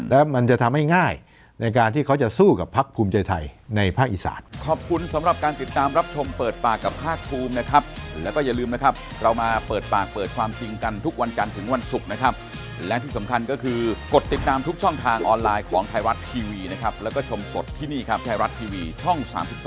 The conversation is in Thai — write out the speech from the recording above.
และมันจะทำให้ง่ายในการที่เขาจะสู้กับพักภูมิใจไทยในภาคอีสาน